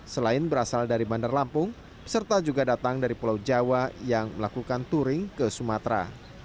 selain berasal dari bandar lampung peserta juga datang dari pulau jawa yang melakukan touring ke sumatera